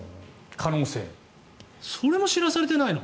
それも知らされてないの？